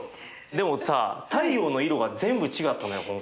でもさ太陽の色が全部違ったのよ今回。